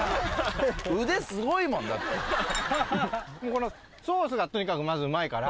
このソースがとにかくまずうまいから。